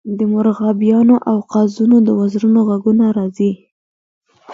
د مرغابیانو او قازونو د وزرونو غږونه راځي